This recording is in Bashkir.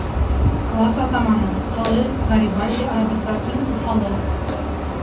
Класс атаманы ҡылый Гарибальди арабыҙҙа иң уҫалы.